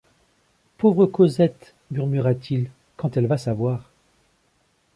Pauvre Cosette ! murmura-t-il, quand elle va savoir…